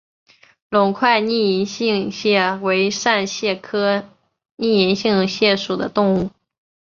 隆块拟银杏蟹为扇蟹科拟银杏蟹属的动物。